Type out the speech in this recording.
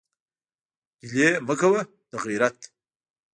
ګلې مه کوه دغېرت.